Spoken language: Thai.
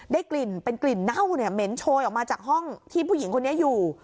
ได้กลิ่นเป็นกลิ่นเน่าเนี่ยเหม็นโชยออกมาจากห้องที่ผู้หญิงคนนี้อยู่